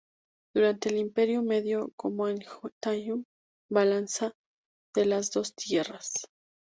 Durante el Imperio Medio como "Anj-tauy" "Balanza de las Dos Tierras".